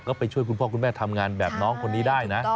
ก็ไปช่วยคุณพ่อคุณแม่ทำงานแบบน้องคนนี้ได้นะ